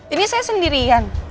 ini saya sendirian